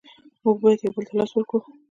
مونږ باید یو بل ته لاس ورکړو.